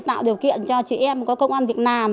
tạo điều kiện cho chị em có công an việt nam